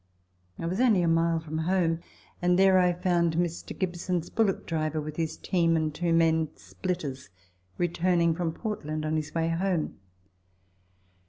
I was only a mile from home, and there I found Mr. Gibson's bullock driver with his team and two men, splitters, returning from Port land on his way home.